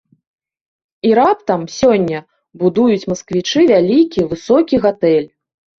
І раптам, сёння, будуюць масквічы вялікі высокі гатэль.